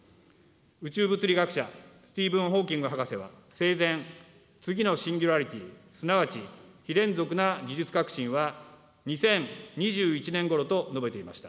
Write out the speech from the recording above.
宇宙物理学者、スティーブン・ホーキング博士は、生前、次のシンギュラリティ、すなわち非連続な技術革新は２０２１年ごろと述べていました。